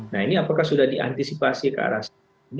nah ini apakah sudah diantisipasi ke arah sana